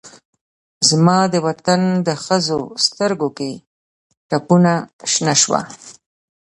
زما دوطن د ښځوسترګوکې ټپونه شنه شوه